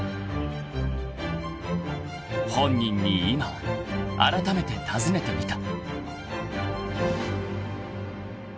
［本人に今あらためて尋ねてみた］